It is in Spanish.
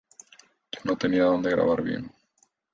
Yo no tenía dónde grabar bien.